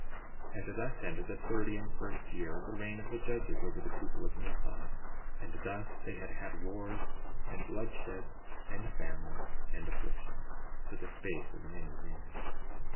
62:39 And thus ended the thirty and first year of the reign of the judges over the people of Nephi; and thus they had had wars, and bloodsheds, and famine, and affliction, for the space of many years.